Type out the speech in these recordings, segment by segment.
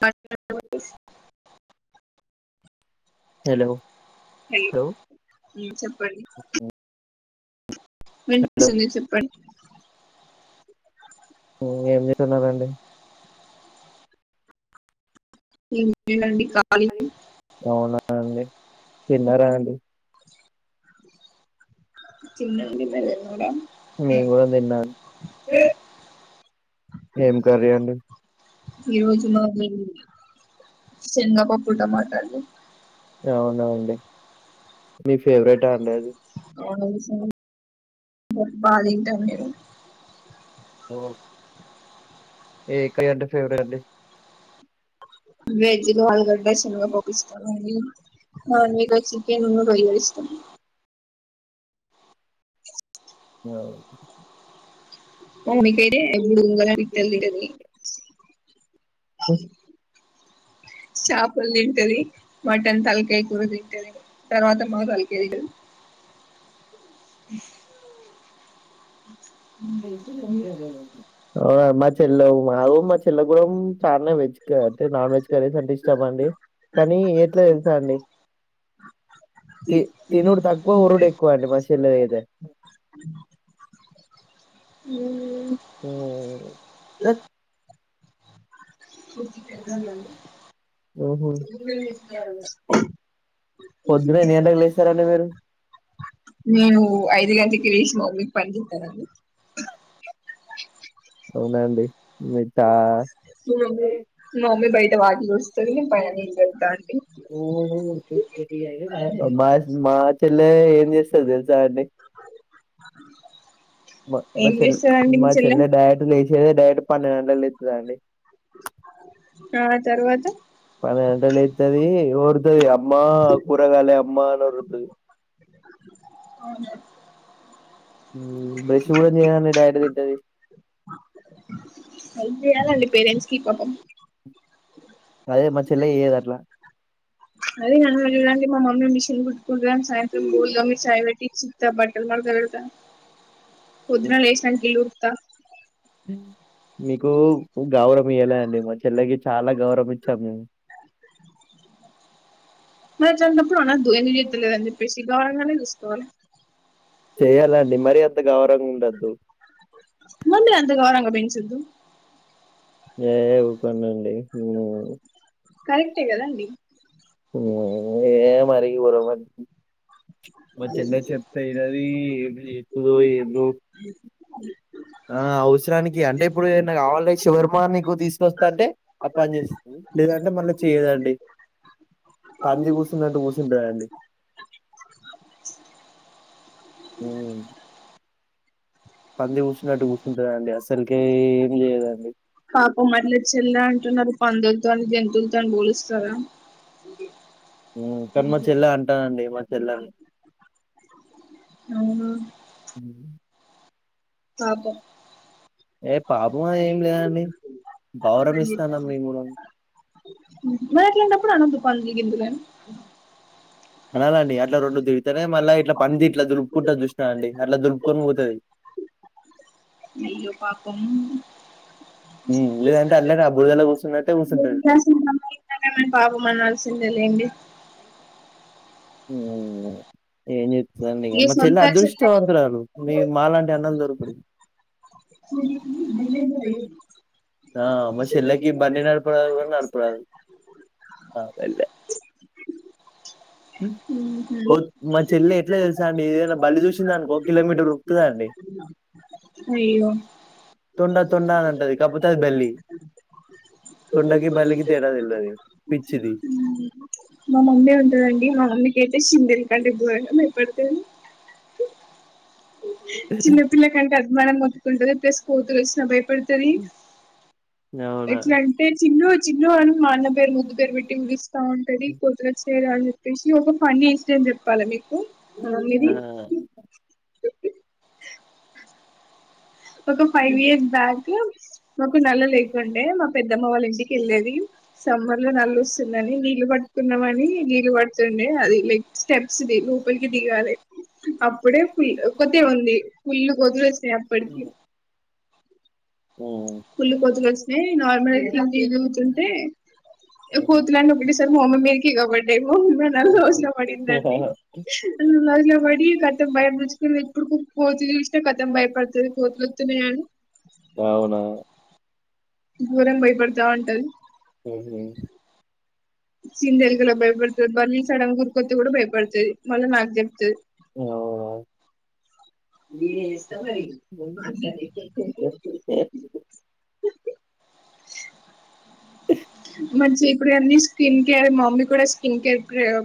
పట్టు డొరీస్ hello hello చెప్పండి హలో వినిపిస్తుంది చెప్పండి ఏం చేస్తున్నారండి ఏం లేదండి ఖాళీ కాలినే అవునా అండి తిన్నారా అండి చిన్నంది [unintelligible] నేను కూడా తిన్నా ఈ రోజు [unintelligible] శేనగపప్పు టమాటలు అవునాఅండి మీ ఫెవరెటా అండి అది [unintelligible] బాగా తింటారు మీరు అవువు ఏ కర్రీ అంటే ఫేవరెట్ అండి వెజ్ లో ఆలుగడ్డ, శేనగపప్పు ఇష్టమండి నాన్వెజ్ లో చ్ చికెనున్ను రొయ్యలు ఇష్టం అ మా మమ్మీకైతే బుడబుంగల్ [unintelligible] తింటాది చాపల్ తింటది మటన్ తలకాయ కూర తింటది తర్వాత మా తలకాయ తింటది ఆ మా చెల్లె అ మా చెల్లె గూడం [unintelligible] వెజ్ క అంటే నాన్ వెజ్ కర్రీస్ అంటే ఇష్టమండి కానీ ఎట్లా తెలుసా అండి తి తినుడు తక్కువ ఒర్రుడు ఎక్కువ అండి మా చెల్లెది అయితే ఉ ఊ [unintelligible] ఊ హు తింటది పొద్దున్నే ఎన్ని గంట్లకు లేస్తారండి మీరు నేను ఐదు గంట్లకి లేసి మా మమ్మీకి పని చేత్తానండి అవునా అండి మీరు [unintelligible] మా మమ్మీ మా మమ్మీ బయట వాకిలి ఊడుస్తది పైన నీళ్ళు పెడతా అండి [unintelligible] మా చెల్లె ఏం చేస్తది తెలుసా అండి మా మా ఏం చె చేస్తదండి మీ మా చెల్లె చెల్లే డైరెక్ట్ లే డైరెక్ట్ పన్నెండు గంట్లకు లేత్తదండి ఆ తరువాత పన్నెండు గంట్లకు లేత్తది ఒర్రుతది అమ్మా కూరగాయలే అమ్మ అని ఒర్రుతది ఊ బ్రష్ కూడా చేయదండి డైరెక్ట్ తింటాది హెల్ప్ చేయాలండి పేరెంట్స్ కి పాపం అదే మా చెల్లె చేయదట్ల అదే నండి మా మమ్మీ మిషన్ కుట్టు కుంటదని సాయంత్రం [unintelligible] చాయ్ పెట్టిచ్చి ఇత్త బట్టల్ మడత పెడతా పొద్దున లేశినంక ఇల్లు ఊడూత్తా [unintelligible] మీకు గవరం ఇవ్వలే అండి మా చెల్లకి చాలా గవరం ఇచ్చాము మరి అట్లాంటప్పుడు అనద్దు ఎందుకు చేత్తలేదని చెప్పేసి గవరంగానే చూసుకోవాలి చేయాలండి మరీ అంత గవరంగా ఉండద్దు మరి మీరు అంతా గవరంగా పెంచద్దు ఏహే ఊకోడండి కరెక్టే కదండి ఏ మరి [unintelligible] మా చెల్లె చెప్తే యినది ఏమి చేత్తదో ఏందో ఆ అవసరానికి అంటే ఇప్పుడు ఏదన్నా కావాల [unintelligible] నీకు తీసుకొస్తా అంటే ఆ పని చేస్తది లేదంటే మళ్ళ చేయ్యదండి పంది కూసున్నట్టు కూసుంటదండీ ఆ ఊ పంది కూసున్నట్టు కూసుంటదండి అసలుకే ఏం చేయ్యదండి పాపం మళ్ళచ్చిందా అంటున్నారు పందులతోని జంతువులతోని పోలుస్తారా ఊ కానీ మా చెల్లె అంటదండి [unintelligible] అవునా పాపం ఏ పాపం అని ఏం లేదండి గవరం ఇస్తానం మేము గూడం మరి అట్లాంటప్పుడు అనద్దు పందులు గిందులు అని అనాల అండి అట్లా రోడ్లు తిడిగితేనే మళ్ళా ఇట్లా పనిది ఇట్లా దులుపుకుంటు చూసిన అండి అట్లా దులుపుకొని పోతుది అయ్యో పాక లేదంటే అల్ల ఆ బుడిదల కూర్చునియితే ఏమ్ మని బాబు మనల్సిందే లేండి హ ఏం చెం ఇ ఈ మా సొంత చెల్లి అదృష్టవంతురాలు న మా లాంటి అన్నలు దొరకడి దిలేతో భయ [unintelligible] అదలే మా చెల్ల ఎట్లా తెలుసా అండి ఏదైనా బళ్లి చూసిందా అనుకో ఒక కిలోమీటర్ ఉరుకుతుదా అండి అయ్యో తొండ తొడా అని అంటది కాకపోతే అది బల్లి [unintelligible] తొండకి, బల్లికి తేడా దెల్వది. పిచ్చిది. మా మమ్మీ ఉంటదండి అమ్మ కేతే సింగరింగ్ అంటే పో ఎపడుతే చిన్న పిా కనీ అమా మ కు్స్ కతు రచిన పడుతుంది అవునా! ఎట్లాంటే చిన్న చిన్న అ మాన్న పేరు ముగద్గు పేరు పెట్టి ఊడిస్తా ఉంటది కొత్తగా చేయరని చెప్పేసి ఒక పని ఒక విషయం చెప్పాలి మీకు మన్నిది ఆ! ఒక ఫైవ్ ఇయర్స్ బ్యాక్ మాకు నల్ల లేకుండే మా పెద్దమ్మ వాళ్ళ ఇంటికి వెళ్ళేది సమ్బర్ లో నల్ల వస్తుందని నీళ్ళు పట్టుకున్నామని నీళ్లు పడుతుండే అది లైక్ స్టెప్స్ లోపలికి దిగాలి అప్పుడే ఫుల్ కొతే ఉంది పుల్లు కోదిరు వస్తాయి అప్పటికి ఆ ఫుల్ ఇంకో కోతులు వచ్చినాయి [unintelligible] కోతులడి ఒకటసారు మా అమ్మ మీరికి కాబడ్డి మా అమ్మ కూడా న అవునా? రోజులు పడిందండి హుహు. [unintelligible] గతం భయ నచ్చుకుని ఎప్పుడు కోతు చూసినా గతం భయపడుతుంది కోతులు వతున్నాయని అవునా ఘోరం భయపడతా ఉంటది సిందేలుగులో భయపడుతుంది బర్లీ సడ గురికొతి కూడా భయపడుతుది మళ్ళీ నాకు చెప్తుంది రి మంచి ఇప్పుడు అన్నీ స్కిన్ కేర్ మమ్మీ కూడా స్కిన్ కేర్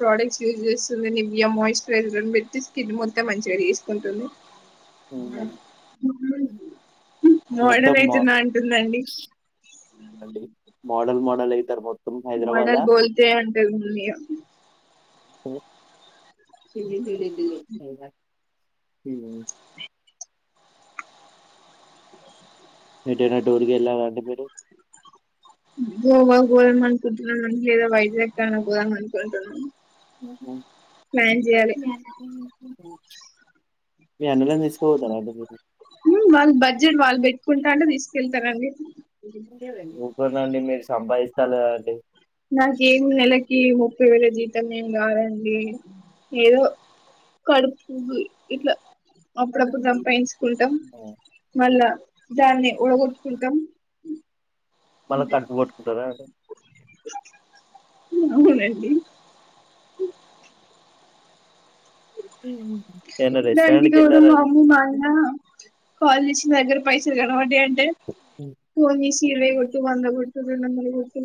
ప్రొడక్ట్స్ యూజ్ చేస్తుంది మాయిశ్చరైజర్ బెట్టి స్కిడ్ మొత్తం మంచిగా తీసుకుంటుంది హ్మ్. మోడల్ అయితుంద అంటుందండి అంటే మోడల్ మోడల్ అయితారు మొత్త మోడల్ బోల్తే అంటే గు డ ఎటైనా డోల్కి వెళ్ళావండి మీరు గోవోద మ అకుంట్రు మద వైద్య్ కారణ పోదా అంతకుంటు మీ అన నిసుకోదా అ ఉమ్, వాళ్ళు బడ్జెట్ వాళ్ళు పెట్టుకుంటా అంటే తీసుకెళ్తారండి క్కనాని మ స బైస్తాల అండి నాగేం నెలకి ముప్పై వేల జీతాం నేను గారంండి ఏదో కడుపుంది ఇట్లా అప్పుడప్పు సంపాంచుకుంటాం మళ్ళా దాన్ని ఉడగొట్టుకుంటాం మళ్ళా కడుపు కొట్టుకుంటారా అండి? అవునండి ఏమన్నా దానికి తోడు రెస్టారెంట్‌కెళ్లారా మా అండి? అమ్ము మా అయన కాల్ చేసి నా దగ్గర పైసలు కనపడ్డాయ్ అంటే ఉమ్. ఫోన్ చేసి ఇరవై కొట్టు వంద కొట్టు రెండొందలు కొట్టు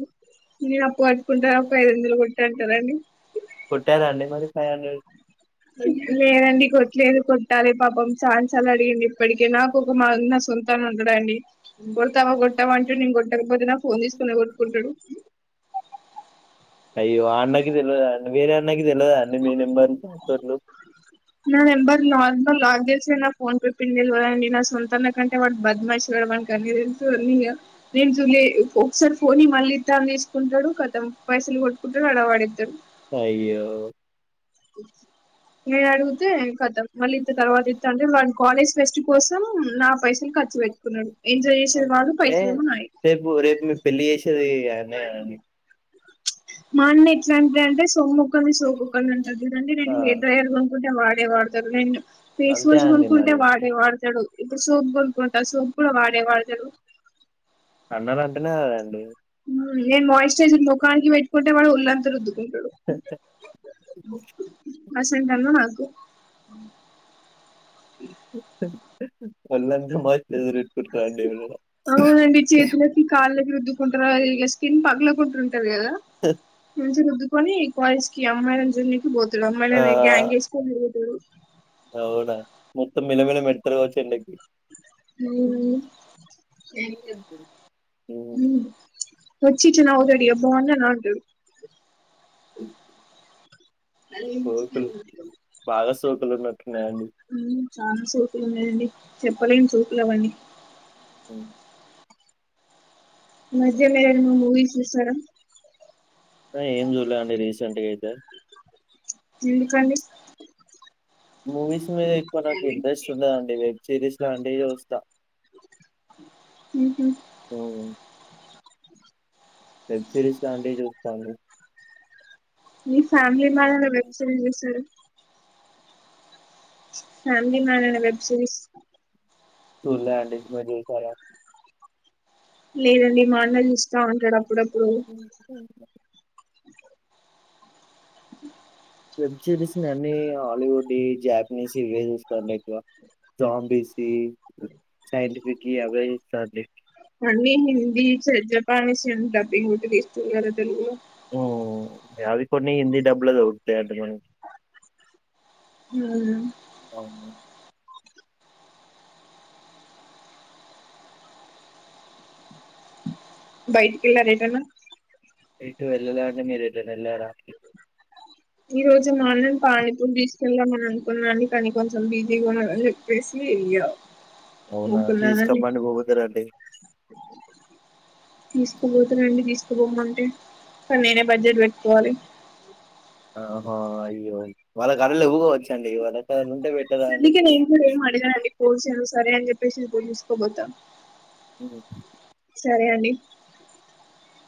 నేను అప్పు కట్టుకుంటా ఒక ఐదు వందలు కొట్టు అంటారండి కొట్టారాండి మరి ఫైవ్ లేదండి కొట్లేదు కొట్టాలి పాపం చానా సార్లు అడిగింది ఇప్పడికే నాకు ఒక మా అన్న సొంత అన్న ఉంటాడండి కొడతావా కొట్టావా అంటే నేను కొట్టకపోతేనా ఫోన్ తీసుకునే కొట్కుంటాడు అయ్యో ఆ అన్నకి తెల్వదా అండి వేరే అన్నకి తెలిదా అండి మీ నెంబర్లు పాస్వర్డ్లు నా నెంబర్ నర్మల్ లాక్ చేస్తే నా ఫోన్ పే పిన్ తెలువదండి నా సొంత అన్న కంటే వాడు బద్మాష్ గాడు వానికి అన్నీ తెలుసు నేను ఇయ్య నేను జూలే ఒకసారి ఫోన్‌యి మళ్ళీ ఇత్త తిసుకుంటాడు కతం పైసలు కొట్టుకుంటాడు అడ పడే అయ్యో నేను అడిగితే కతం మళ్ళీ ఇత్త తర్వాత ఇత్త అంటడు వాని కాలేజ్ ఫెస్ట్ కోసం నా పైసా లన్ని ఖర్చు పెట్కున్నాడు ఎంజాయ్ చేసేది వాడు ఏ పైసలేమో నాయి రేపు అ మా అన్న ఎట్లాంటే అంటే సొమ్మొకరిది సోకొకరిది అంటారు చూడండి ఆ నేను హెయిర్ డ్రాయేర్ కొనుక్కుంటే వ డే వాడుతాడు నేను ఫేస్ అంతే వాష్ అండి కొనుక్కుంటే మరి వాడే వాడతాడు ఇప్పుడు సోప్ కొనుకుంటా ఆ సోప్ కూడా వాడే వాడతాడు అన్నలు అంటేనే అదండి కానికి పెట్టుకుంటే వాడు ఒళ్లంతా రుద్దుకుంటాడు అసంటి అన్న నాకు [unintelligible] ఒళ్ళంతా మస్తు ఎదురెట్టుకుంటారండి ఎవరైనా అవునండి చేతులకి కాళ్ళకి రుద్దు కుంటారు ఇలా స్కిన్ పగలుకుంటుంటది కదా మంచి రుద్దు కొని కాలేజ్ కి అమ్మాయిలని జునికి పోతాడు ఆ అమ్మాయిలనే గ్యాంగ్ ఏసుకుని తిరుగు అవునా మొత్తం మిలమిళ మెరుత్తాడు గవచ్చు ఎండకి మ్మ్మ్ ఉమ్, మ్మ్ వచ్చి టిన ఒకటియే బాగున్నాన అంటాడు అ సోకులు బాగా సోకులున్నట్లు ఉన్నాయండి మ్మ్ చానా సోకులు ఉన్నాయంండి చెప్పలేము సోకులు అవన్నీ ఉమ్, ఈ మధ్యల ఏవైనా మూవీస్ చూశారా ఏం చూలే అండి రీసెంట్గా అయితే ఎందుకండి మూవీస్ మీద ఎక్కువ నాకు ఇంట్రెస్ట్ ఉండదండి వెబ్ సిరీస్ లాంటివి చూస్తా ఊహూ సో వెబ్ సిరీస్ లాంటివి చూస్తా అండి మీ ఫ్యామిలీ మెన్ అనే వెబ్ సిరీస్ చూసారా ఫ్యామిలీ మెన్ అనే వెబ్ సిరీస్ చూలే అండి మీరు చూశారా లేదండి మా అన్న చూస్తా ఉంటాడు అప్పుడప్పుడు వెబ్ సిరీస్‌ని అన్ని హాలీవుడ్ ‌యి జాపనీస్ ఇవే చూస్తా అండి ఎక్కువ జాంబీస్ యి సైంటిఫిక్ యి అవే చూస్తాండి అన్నీ హిందీచే జపానీష్ అన్ డబ్బింగ్ ఒకటి తీస్తున్నరా తెలుగులో ఉఉ యాది కొన్ని హిందీ డబ్లో దొరుకుతాయట మేడం యధ బయటికెళ్ళారా ఎటన్నా ఎటు వెళ్ళాలే అండి మీరు ఎటైనా ఎళ్లారా ఈరోజు మా అన్నని పానీ పూరికి తీసుకెళ్లామని అనుకున్న కాని కొంచెం బిజీగా ఉన్న అని చెప్పేసి ఇగా అవునా ఇప్పులాలి తీసుకమ్మండి పోతారండి తీసుకుపోతరండి తీసుకుపోమంటే కానీ నేనే బడ్జెట్ వెట్టుకోవాలి ఆహా అయ్యో వాళ్ళ కాడ లెవ్వు కావచ్చు అండి వాళ్ల కాడ ఉంటే వెట్టు అందుకే నేను కూడా ఏం అడగను అండి పోసాడు సరే అని చెప్పేసి పోలుసుకోబోతా హు సరే అండి